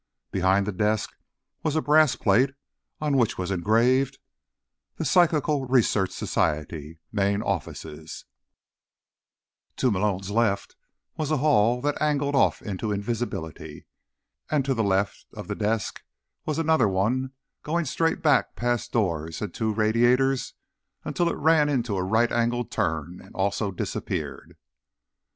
Behind the desk was a brass plate, on which was engraved: The Psychical Research Society Main Offices To Malone's left was a hall that angled off into invisibility, and to the left of the desk was another one, going straight back past doors and two radiators until it ran into a right angled turn and also disappeared.